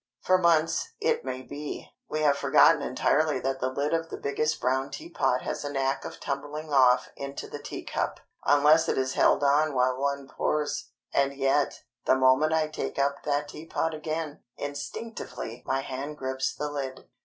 For months, it may be, we have forgotten entirely that the lid of the biggest brown teapot has a knack of tumbling off into the teacup, unless it is held on while one pours. And yet, the moment I take up that teapot again, instinctively my hand grips the lid.